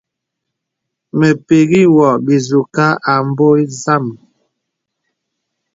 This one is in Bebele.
Mə pəkŋì wɔ bìzùghā abɔ̄ɔ̄ zàm.